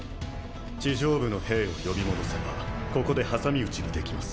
地上部の兵を呼び戻せばここで挟み撃ちにできます。